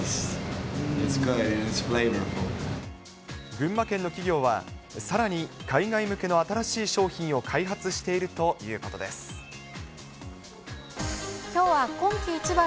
群馬県の企業は、さらに海外向けの新しい商品を開発しているということです。え？